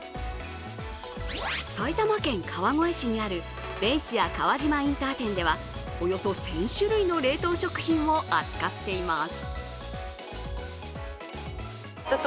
埼玉県川越市にあるベイシア川島インター店では、およそ１０００種類の冷凍食品を扱っています。